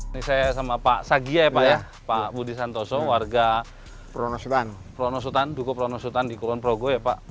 ini saya sama pak sakyabudi ya pak ya pak budi santoso warga dukuh pronosutan di kulonprogo ya pak